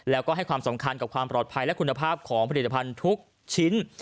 แล้วก็ให้ความสำคัญกับความปลอดภัยและคุณภาพของผลิตภัณฑ์ทุกชิ้น